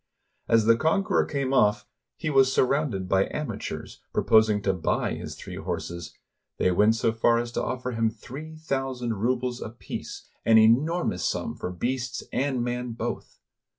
As the conqueror came oflf, he was surrounded by amateurs, proposing to buy his three horses; they went so far as to offer him three thousand rubles apiece, an 241 RUSSIA enormous sum for beasts and man both.